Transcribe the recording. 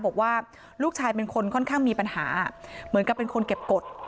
บอกว่าลูกชายเป็นคนค่อนข้างมีปัญหาเหมือนกับเป็นคนเก็บกฎ